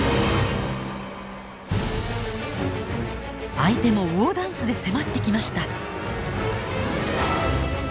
相手もウオーダンスで迫ってきました。